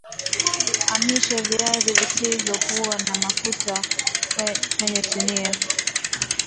Amisha viazi visivyokua na mafuta kwenye sinia